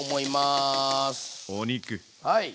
はい。